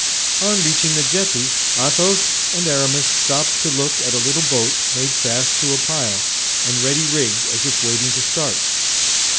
On reaching the jetty Athos and Aramis stopped to look at a little boat made fast to a pile and ready rigged as if waiting to start.